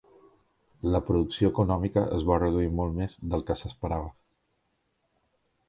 La producció econòmica es va reduir molt més del que s'esperava.